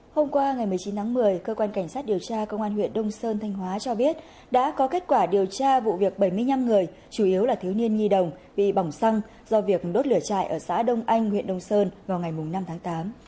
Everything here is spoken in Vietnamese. hôm qua ngày một mươi chín tháng một mươi cơ quan cảnh sát điều tra công an huyện đông sơn thanh hóa cho biết đã có kết quả điều tra vụ việc bảy mươi năm người chủ yếu là thiếu niên nhi đồng bị bỏng xăng do việc đốt lửa chạy ở xã đông anh huyện đông sơn vào ngày năm tháng tám